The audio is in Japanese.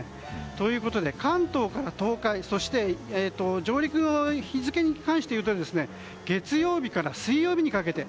ということで関東から東海そして上陸の日付に関していうと月曜日から水曜日にかけて。